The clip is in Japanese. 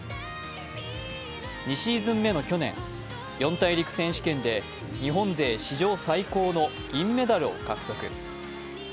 ２シーズン目の去年、四大陸選手権で日本勢史上最高の銀メダルを獲得。